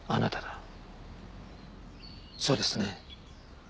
そうですね？